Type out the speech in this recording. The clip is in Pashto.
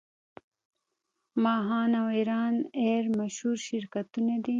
ماهان او ایران ایر مشهور شرکتونه دي.